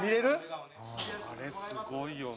「あれすごいよな」